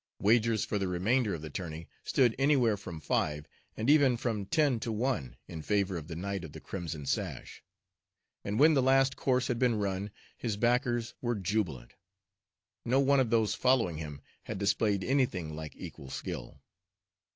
Wagers for the remainder of the tourney stood anywhere from five, and even from ten to one, in favor of the knight of the crimson sash, and when the last course had been run, his backers were jubilant. No one of those following him had displayed anything like equal skill.